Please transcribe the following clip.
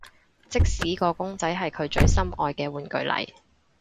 即使個公仔係佢最心愛嘅玩具嚟